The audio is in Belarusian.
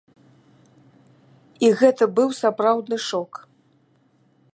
І гэта быў сапраўдны шок.